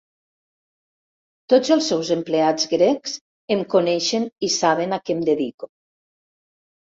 Tots els seus empleats grecs em coneixen i saben a què em dedico.